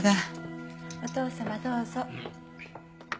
お義父様どうぞ。